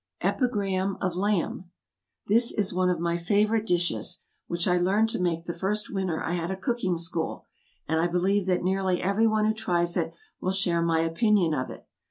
=Epigramme of Lamb.= This is one of my favorite dishes, which I learned to make the first winter I had a Cooking School, and I believe that nearly every one who tries it will share my opinion of it.